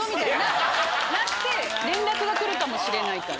連絡が来るかもしれないから。